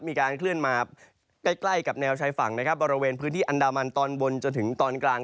มีการเคลื่อนมาใกล้ใกล้กับแนวชายฝั่งนะครับบริเวณพื้นที่อันดามันตอนบนจนถึงตอนกลาง